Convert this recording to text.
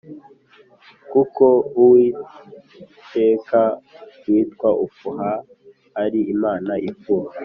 Kuko uwiteka witwa ufuha ari imana ifuha